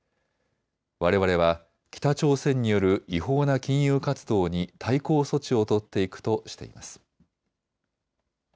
われわれは北朝鮮による違法な金融活動に対抗措置を取っていくとしています。